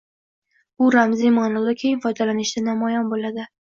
Bu ramziy ma’noda keng foydalanishida namoyon bo‘ladi.